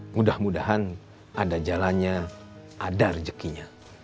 mudah mudahan ada jalannya ada rejekinya